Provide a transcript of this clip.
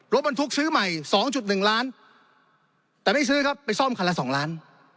รถบรรทุกซื้อใหม่๒๑ล้านแต่ไม่ซื้อครับไปซ่อมคันละ๒ล้าน